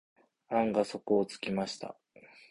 案が底をつきました。